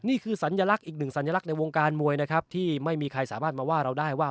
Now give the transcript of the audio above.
นี่คือสัญลักษณ์อีกหนึ่งสัญลักษณ์ในวงการมวยนะครับที่ไม่มีใครสามารถมาว่าเราได้ว่า